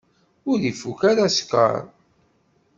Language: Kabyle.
Ur ifukk ara sskeṛ?